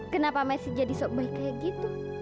kenapa masih jadi sok bayi kayak gitu